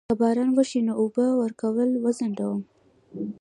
که باران وشي نو اوبه ورکول وځنډوم؟